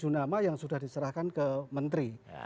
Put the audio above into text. tujuh nama yang sudah diserahkan ke menteri